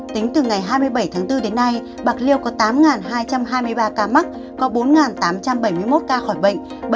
tính từ ngày hai mươi bảy tháng bốn đến nay bạc liêu có tám hai trăm hai mươi ba ca mắc có bốn tám trăm bảy mươi một ca khỏi bệnh